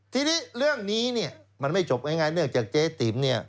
ทีนี้เรื่องนี้เนี่ยมันไม่จบง่ายเนื่องจากเจ๊ติ๋มเนี่ย